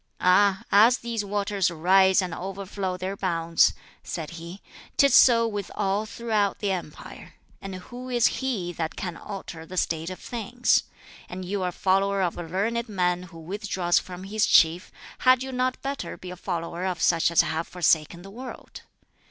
"Ah, as these waters rise and overflow their bounds," said he, "'tis so with all throughout the empire; and who is he that can alter the state of things? And you are a follower of a learned man who withdraws from his chief; had you not better be a follower of such as have forsaken the world?"